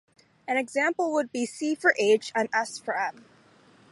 An example would be "C" for "H" and "S" for "M".